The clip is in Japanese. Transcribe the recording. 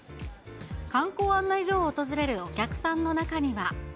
観光案内所を訪れるお客さんの中には。